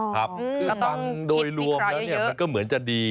ครับคือฟังโดยรวมแล้วเนี่ยมันก็เหมือนจะดี